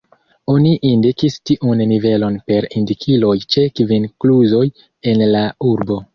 Oni indikis tiun nivelon per indikiloj ĉe kvin kluzoj en la urbo.